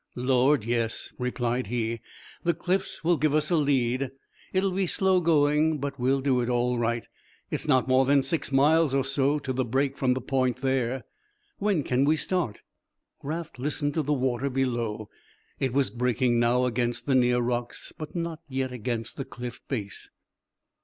"Lord, yes," replied he, "the cliffs will give us a lead, it'll be slow going but we'll do it all right, it's not more than six miles or so to the break from the point there." "When can we start?" Raft listened to the water below, it was breaking now against the near rocks but not yet against the cliff base.